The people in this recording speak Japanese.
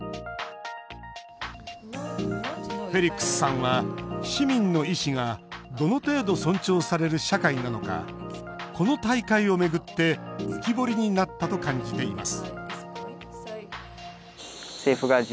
フェリックスさんは市民の意思がどの程度、尊重される社会なのかこの大会を巡って浮き彫りになったと感じています